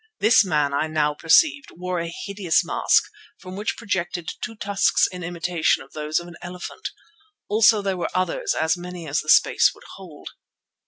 This man, I now perceived, wore a hideous mask, from which projected two tusks in imitation of those of an elephant. Also there were others, as many as the space would hold.